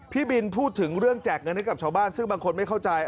พี่บินพูดถึงเรื่องแจกเงินให้กับชาวบ้านซึ่งบางคนไม่เข้าใจ